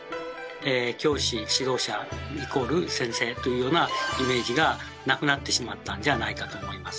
「教師指導者」＝「先生」というようなイメージがなくなってしまったんじゃないかと思います。